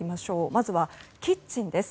まずはキッチンです。